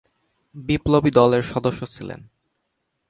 বিপ্লবী দলের সদস্য ছিলেন।